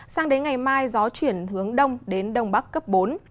sang đến ngày mai gió chuyển hướng đông đến đông bắc cấp bốn